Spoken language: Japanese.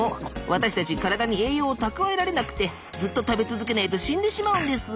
私たち体に栄養を蓄えられなくてずっと食べ続けないと死んでしまうんです。